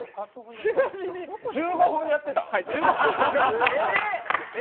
１５分やってたん？